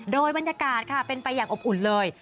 โดยบรรยากาศค่ะเป็นไปอย่างอบอุ่นเลย